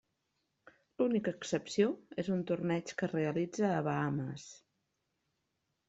L'única excepció és un torneig que es realitza a Bahames.